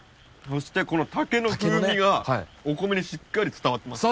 そしてこの竹の風味がお米にしっかり伝わってます。